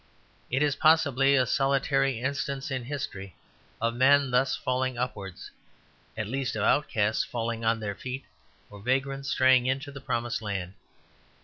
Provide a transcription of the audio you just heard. It is possibly a solitary instance in history of men thus falling upwards; at least of outcasts falling on their feet or vagrants straying into the promised land.